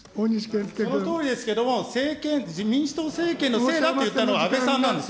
そのとおりですけども、民主党政権のせいだって言ったのは安倍さんなんですよ。